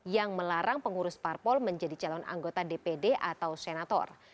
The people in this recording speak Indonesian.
yang melarang pengurus parpol menjadi calon anggota dpd atau senator